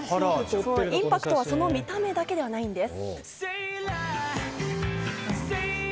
インパクトはその見た目だけではないんです。